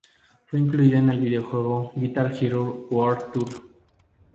Fue incluida en el videojuego Guitar Hero World Tour.